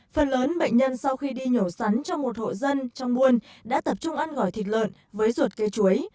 phần lớn bệnh nhân sau khi đi nhổ sắn cho một hộ dân trong buôn đã tập trung ăn gỏi thịt lợn với ruột cây chuối